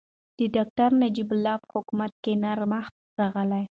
د ډاکټر نجیب الله په حکومت کې نرمښت راغی.